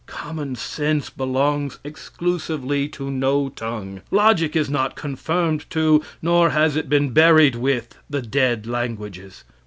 Common sense belongs exclusively to no tongue. Logic is not confirmed to, nor has it been buried with, the dead languages.